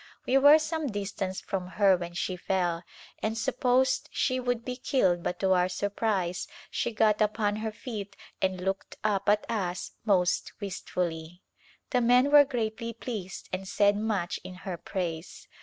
We were some distance from her when she fell and supposed she would be killed but to our surprise she got upon [6.] A Glimpse of India her feet and looked up at us most wistfully. The men were greatly pleased and said much in her praise.